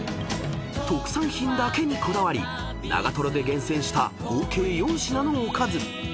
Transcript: ［特産品だけにこだわり長瀞で厳選した合計４品のおかず］